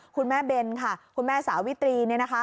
คุณแม่เบนค่ะคุณแม่สาวิตรีเนี่ยนะคะ